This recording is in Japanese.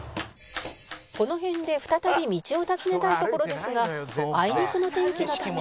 「この辺で再び道を尋ねたいところですがあいにくの天気のため」